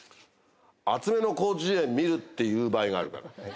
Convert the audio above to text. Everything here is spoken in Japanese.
「厚めの広辞苑見る？」っていう場合があるから。